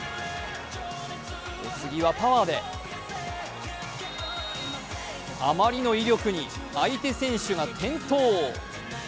お次はパワーであまりの威力に相手選手が転倒。